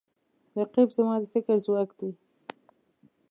رقیب زما د فکر ځواک دی